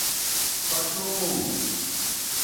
پسُݸم